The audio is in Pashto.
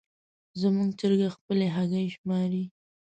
زموږ چرګه خپلې هګۍ شماري.